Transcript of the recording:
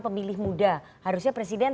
pemilih muda harusnya presiden